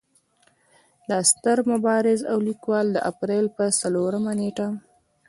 دا ستر مبارز او ليکوال د اپرېل پۀ څلورمه نېټه